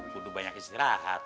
butuh banyak istirahat